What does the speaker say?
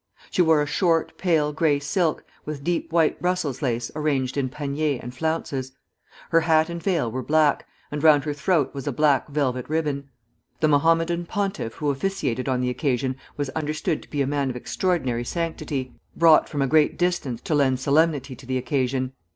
She wore a short pale gray silk, with deep white Brussels lace arranged in paniers and flounces. Her hat and veil were black, and round her throat was a black velvet ribbon. The Mohammedan pontiff who officiated on the occasion was understood to be a man of extraordinary sanctity, brought from a great distance to lend solemnity to the occasion.